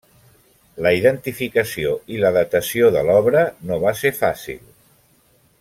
La identificació i la datació de l'obra no va ser fàcil.